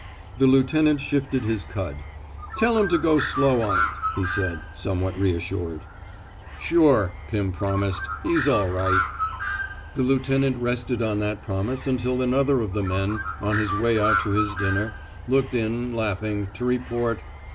The lieutenant shifted his cud. Tell him to go slow on it," he said, somewhat reassured. 126 IN THE NATURE OF A HEKO Sure/' Piiii promised. He's all right/' The lieutenant rested on that promise mitil another of the men, on his way out to his dinner, looked in, laughing, to report.